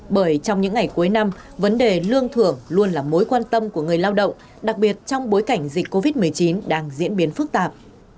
bởi trong những ngày cuối năm vấn đề lương thưởng luôn là mối quan tâm của người lao động đặc biệt trong bối cảnh dịch covid một mươi chín đang diễn biến phức tạp